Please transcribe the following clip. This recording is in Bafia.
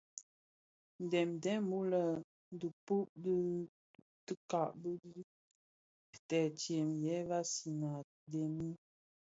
Ndhèňdèn wu lè dhipud bi dikag di tëtsem, ye vansina a dhemi,